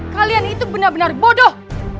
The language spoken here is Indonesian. kalian itu benar benar bodoh